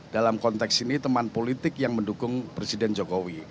dalam konteks ini teman politik yang mendukung presiden jokowi